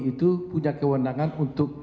itu punya kewenangan untuk